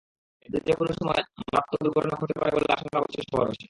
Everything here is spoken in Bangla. এতে যেকোনো সময় মারাত্মক দুর্ঘটনা ঘটতে পারে বলে আশঙ্কা করছে শহরবাসী।